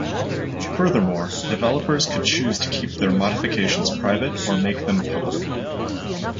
Furthermore, developers could choose to keep their modifications private or make them public.